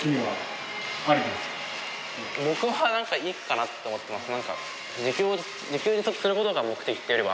僕はいいかなって思ってます。